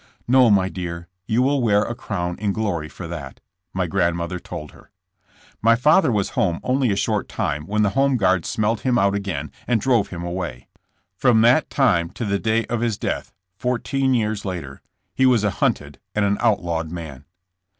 "No, my dear; you will wear a crown in glory for that," my grandmother told her. My father was home only a short time when the home guards smelled him out again and drove him away. From that time to the day of his death, four teen years later, he was a hunted and an outlawed man.